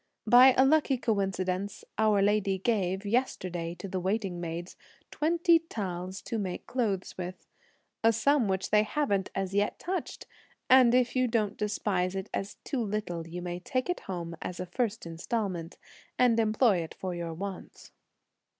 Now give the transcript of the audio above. By a lucky coincidence our lady gave, yesterday, to the waiting maids, twenty taels to make clothes with, a sum which they haven't as yet touched, and if you don't despise it as too little, you may take it home as a first instalment, and employ it for your wants."